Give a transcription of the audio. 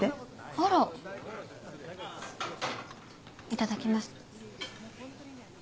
いただきます。